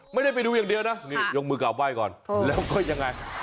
ไม่ได้ไปดูอย่างเดียวนะนี่ยกมือกลับไหว้ก่อนแล้วก็ยังไง